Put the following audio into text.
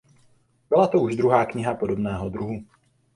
Byla to už druhá kniha podobného druhu.